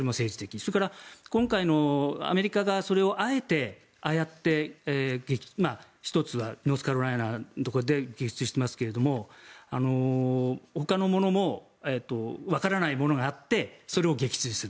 それから、今回アメリカがそれをあえて、ああやって１つはノースカロライナのところで撃墜してますが、ほかのものもわからないものがあってそれを撃墜する。